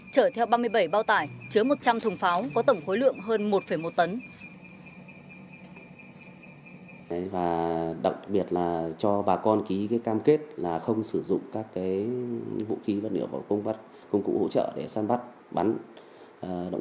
chở theo ba mươi bảy bao tải chứa một trăm linh thùng pháo có tổng khối lượng hơn một một tấn